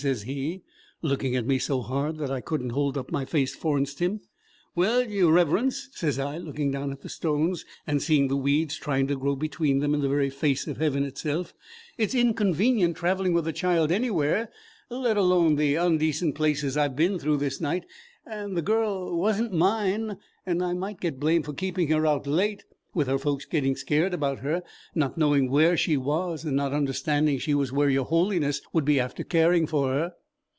sez he, looking at me so hard that I could n't hold up my face forninst him. 'Well, your Reverence,' sez I, looking down at the stones, and seeing the weeds trying to grow between them in the very face of Heaven itself, 'it's inconvenient traveling with a child anywhere, let alone the ondecent places I've been through this night; and the girl was n't mine, and I might get blamed for keeping her out late, with her folks getting scared about her, not knowing where she was, and not understanding she was where your Holiness would be after caring for her.'